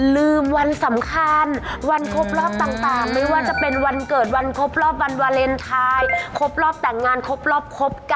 ลืมวันสำคัญวันครบรอบต่างไม่ว่าจะเป็นวันเกิดวันครบรอบวันวาเลนไทยครบรอบแต่งงานครบรอบครบ๙